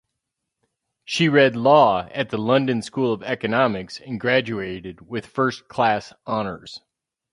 She read law at the London School of Economics and graduated with First-Class Honours.